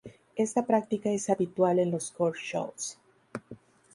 Esta práctica es habitual en los "court shows".